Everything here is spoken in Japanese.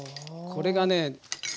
これがね